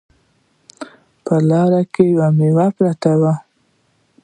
په لاره کې یوه میوه پرته وه